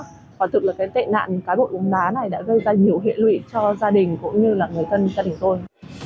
và thực là cái tệ nạn cá độ bóng đá này đã gây ra nhiều hệ lụy cho gia đình cũng như là người thân gia đình tôi